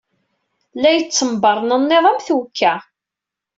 La yettembernenniḍ am twekka.